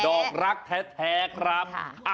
ดอกลักษณ์แท้ครับ